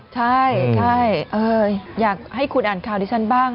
ใช่อยากให้คุณอ่านข่าวดิฉันบ้าง